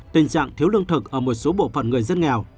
tình trạng thiếu lương thực ở một số bộ phận người dân nghèo